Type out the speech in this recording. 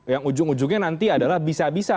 yang ujung ujungnya nanti adalah bisa bisa